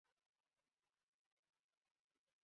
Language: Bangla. মানুষ এখন আগের থেকে অনেক সচেতন।